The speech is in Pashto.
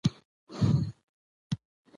خوندور او هدفمند پر کېدى شي.